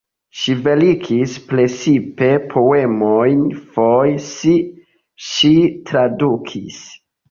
Ŝi verkis precipe poemojn, foje ŝi tradukis.